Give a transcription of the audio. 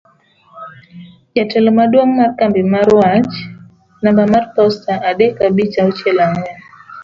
Jatelo Maduong' mar Kambi mar Wach namba mar posta adek abich auchiel ang'we